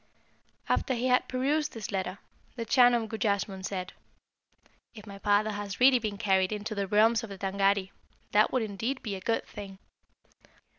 "After he had perused this letter, the Chan of Gujassmunn said, 'If my father has really been carried into the realms of the Tângâri, that would indeed be a good thing.